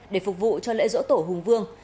để phục vụ cho lễ dỗ tổ hùng vương